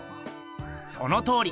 そのとおり。